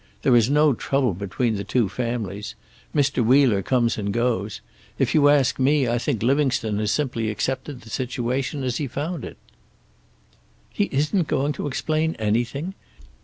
There is no trouble between the two families. Mr. Wheeler comes and goes. If you ask me, I think Livingstone has simply accepted the situation as he found it." "He isn't going to explain anything?